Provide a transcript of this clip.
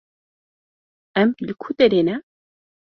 Em li ku derê ne?